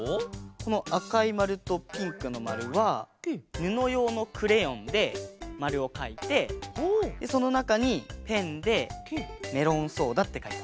このあかいまるとピンクのまるはぬのようのクレヨンでまるをかいてでそのなかにペンで「メロンソーダ」ってかいた。